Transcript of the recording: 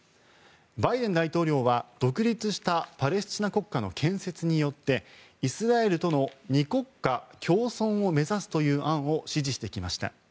バイデン大統領は、独立したパレスチナ国家の建設によってイスラエルとの２国家共存を目指すという案を支持してきました。